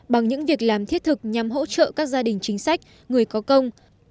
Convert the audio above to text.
bằng những việc làm thiết thực nhằm hỗ trợ các gia đình chính sách người có công